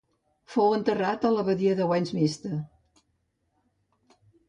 Fou enterrat a l'Abadia de Westminster.